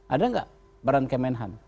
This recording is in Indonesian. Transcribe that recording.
ada tidak peran kemenhan